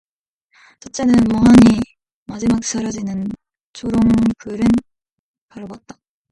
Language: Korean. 첫째는 멍하니 마지막 사라지는 초롱불을 바라보았다.